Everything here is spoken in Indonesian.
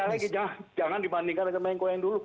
saya ada sekali lagi jangan dibandingkan dengan menko yang dulu